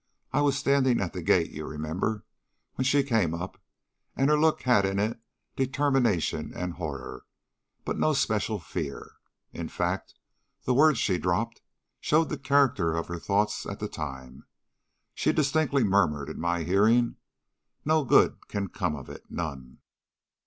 I was standing at the gate, you remember, when she came up, and her look had in it determination and horror, but no special fear. In fact, the words she dropped show the character of her thoughts at that time. She distinctly murmured in my hearing: 'No good can come of it, none.'